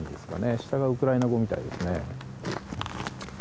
下がウクライナ語みたいですね。